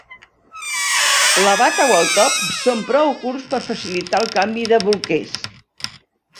La bata o el top són prou curts per facilitar el canvi de bolquers.